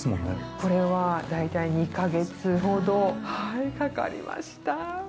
これは大体２か月ほどかかりました。